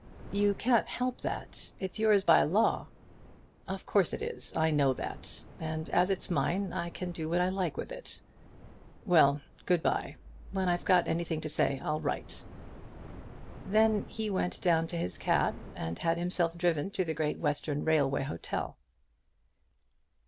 "You can't help that. It's yours by law." "Of course it is. I know that. And as it's mine I can do what I like with it. Well; good bye. When I've got anything to say, I'll write." Then he went down to his cab and had himself driven to the Great Western Railway Hotel.